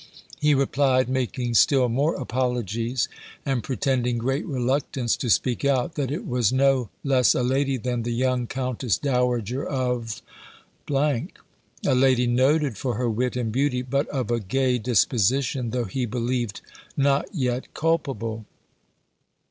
He replied (making still more apologies, and pretending great reluctance to speak out), that it was no less a lady than the young Countess Dowager of , a lady noted for her wit and beauty, but of a gay disposition, though he believed not yet culpable.